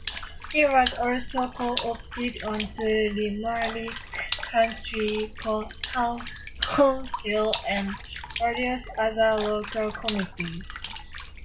He was also co-opted onto Limerick County Council and various other local committees.